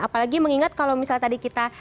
apalagi mengingat kalau misalnya tadi kita